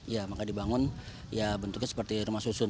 ya maka dibangun ya bentuknya seperti rumah susun